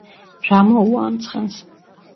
რა მოუვა ამ რიცხვს?